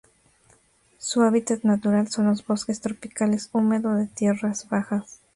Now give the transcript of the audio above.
Su hábitat natural son los bosques tropicales húmedo de tierras bajas.